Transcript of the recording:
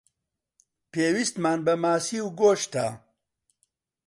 پێویستمان بە ماسی و گۆشتە.